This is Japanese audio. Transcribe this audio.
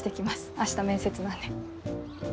明日面接なんで。